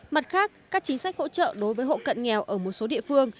mặt khác các chính sách hỗ trợ đối với hộ cận nghèo ở một số địa phương